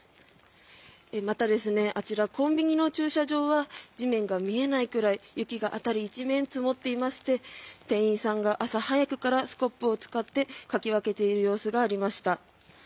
また、あちらコンビニの駐車場は地面が見えないくらい雪が辺り一面積もっていまして店員さんが朝早くからスコップを使ってかき分けている様子がありました。